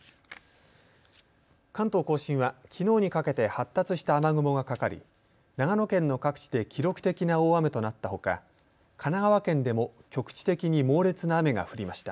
関東甲信はきのうにかけて発達した雨雲がかかり、長野県の各地で記録的な大雨となったほか神奈川県でも局地的に猛烈な雨が降りました。